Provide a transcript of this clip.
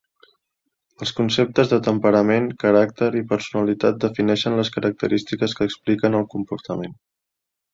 Els conceptes de temperament, caràcter i personalitat defineixen les característiques que expliquen el comportament.